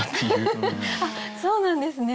そうなんですね。